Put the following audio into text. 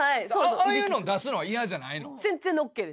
ああいうのん出すのは嫌じゃないの？